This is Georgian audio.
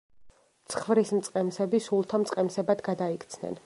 ცხვრის მწყემსები სულთა მწყემსებად გადაიქცნენ.